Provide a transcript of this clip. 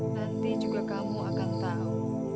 nanti juga kamu akan tahu